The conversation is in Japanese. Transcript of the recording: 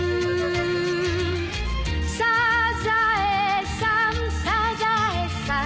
「サザエさんサザエさん」